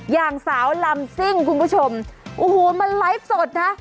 อย่างสาวลำซิ่งคุณผู้ชมโอ้โหมันไลฟ์สดนะ